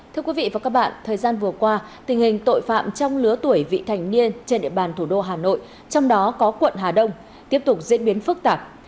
thưa quý vị và các bạn thời gian vừa qua tình hình tội phạm trong lứa tuổi vị thành niên trên địa bàn thủ đô hà nội trong đó có quận hà đông tiếp tục diễn biến phức tạp